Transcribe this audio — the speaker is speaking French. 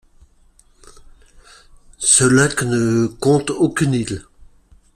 Ce lac ne compte aucune île.